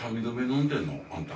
飲んでんの？あんた。